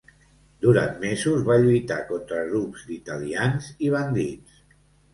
Durant mesos va lluitar contra grups d'italians i bandits.